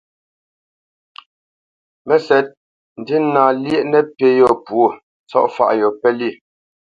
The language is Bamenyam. Mə́sɛ̌t, ndína lyéʼ nəpí yô pwô, ntsɔ̂faʼ yô pə́lyê.